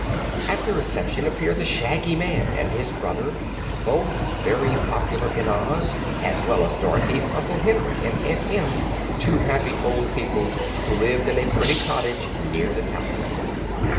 At the reception appeared the Shaggy Man and his brother, both very popular in Oz, as well as Dorothy's Uncle Henry and Aunt Em, two happy old people who lived in a pretty cottage near the palace.